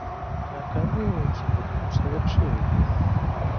د ناکامیو او سقوطونو سبب شوي دي.